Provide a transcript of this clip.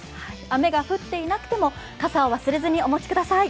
雨が降っていなくても傘を忘れずにお持ちください。